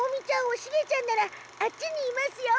おシゲちゃんならあっちにいますよ。